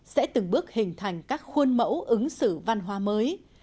sẽ từng bước hình thành các khuôn mẫu ứng xử văn hóa mới